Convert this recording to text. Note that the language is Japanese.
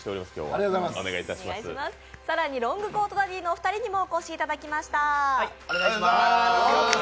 更にロングコートダディのお二人にもお越しいただきました。